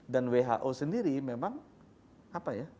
dan who sendiri memang apa ya